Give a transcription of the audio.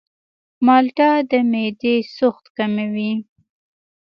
مالټه د معدې سوخت کموي.